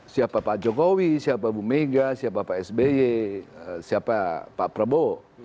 siapa pak jokowi siapa bu mega siapa pak sby siapa pak prabowo